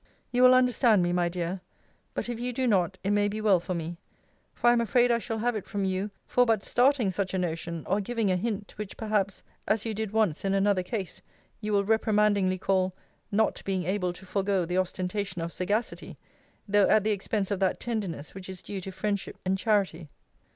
You will understand me, my dear. But if you do not, it may be well for me; for I am afraid I shall have it from you for but starting such a notion, or giving a hint, which perhaps, as you did once in another case, you will reprimandingly call, 'Not being able to forego the ostentation of sagacity, though at the expense of that tenderness which is due to friendship and charity.'